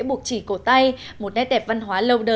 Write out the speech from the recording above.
buộc chỉ cột tay một nét đẹp văn hóa